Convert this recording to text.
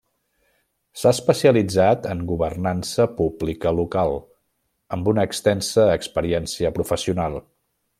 S'ha especialitzat en governança pública local, amb una extensa experiència professional.